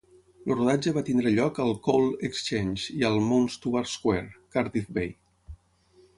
El rodatge va tenir lloc al Coal Exchange i al Mount Stuart Square, Cardiff Bay.